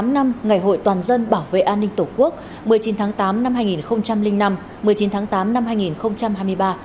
một mươi năm năm ngày hội toàn dân bảo vệ an ninh tổ quốc một mươi chín tháng tám năm hai nghìn năm một mươi chín tháng tám năm hai nghìn hai mươi ba